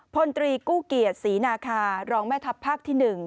พลตรีกู้เกียรติศรีนาคารองแม่ทัพภาคที่๑